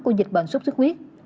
của dịch bệnh sốt sức huyết